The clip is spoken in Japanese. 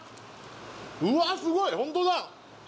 うわすごいホントだ！